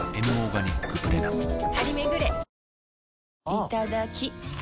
いただきっ！